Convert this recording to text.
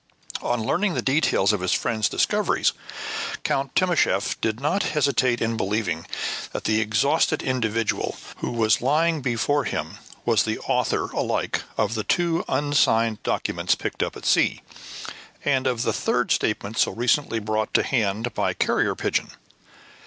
On learning the details of his friends' discoveries, Count Timascheff did not hesitate in believing that the exhausted individual who was lying before him was the author alike of the two unsigned documents picked up at sea, and of the third statement so recently brought to hand by the carrier pigeon.